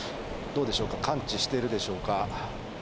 どうでしょうか、感知してるでしょうか。